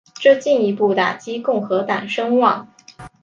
这进一步打击共和党声望。